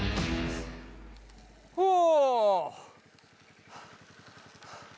お！